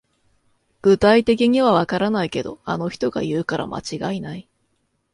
具体的にはわからないけど、あの人が言うから間違いない